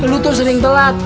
lu tuh sering telat